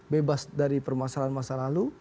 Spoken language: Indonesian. bebas dari permasalahan masa lalu